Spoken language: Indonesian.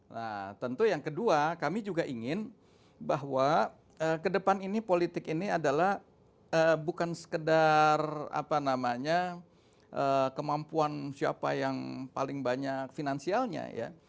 nah tentu yang kedua kami juga ingin bahwa ke depan ini politik ini adalah bukan sekedar kemampuan siapa yang paling banyak finansialnya ya